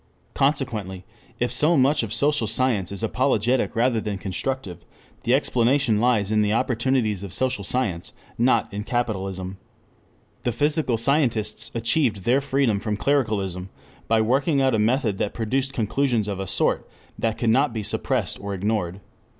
Consequently if so much of social science is apologetic rather than constructive, the explanation lies in the opportunities of social science, not in "capitalism." The physical scientists achieved their freedom from clericalism by working out a method that produced conclusions of a sort that could not be suppressed or ignored.